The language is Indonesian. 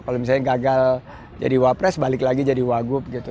kalau misalnya gagal jadi wapres balik lagi jadi wagub gitu